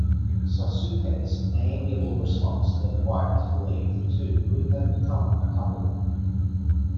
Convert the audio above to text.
Sasuke's amiable response led White to believe the two could have become a couple.